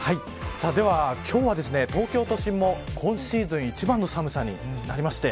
今日は、東京都心も今シーズン一番の寒さになりました。